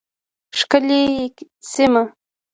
ښکلې سیمه